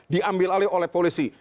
diambil alih oleh polisi